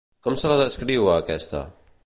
Com se la descriu a aquesta?